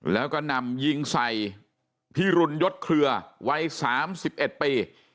แล้วก็นำยิงใส่พิรุณยศเครือวัย๓๑ปี